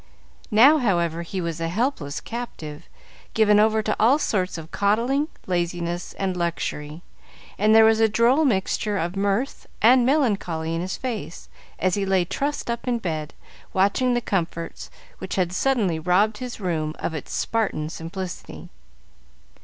Now, however, he was a helpless captive, given over to all sorts of coddling, laziness, and luxury, and there was a droll mixture of mirth and melancholy in his face, as he lay trussed up in bed, watching the comforts which had suddenly robbed his room of its Spartan simplicity.